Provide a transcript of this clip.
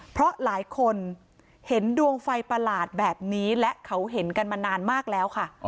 เพราะหลายคนเห็นดวงไฟประหลาดแบบนี้และเขาเห็นกันมานานมากแล้วค่ะ